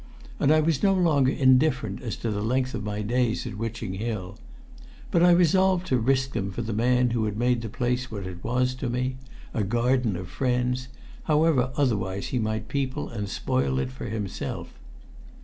And I was no longer indifferent as to the length of my days at Witching Hill. But I resolved to risk them for the man who had made the place what it was to me a garden of friends however otherwise he might people and spoil it for himself.